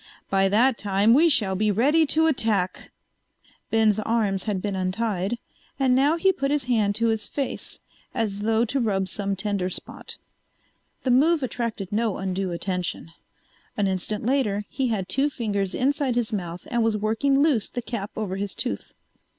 By that time we shall be ready to attack." Ben's arms had been untied, and now he put his hand to his face, as though to rub some tender spot. The move attracted no undue attention. An instant later he had two fingers inside his mouth and was working loose the cap over his tooth.